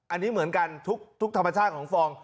อันนี้เหมือนกันทุกธรรมชาติของฟอง